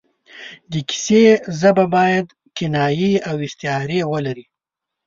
د کیسې ژبه باید کنایې او استعارې ولري.